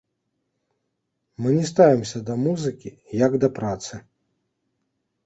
Мы не ставімся да музыкі як да працы.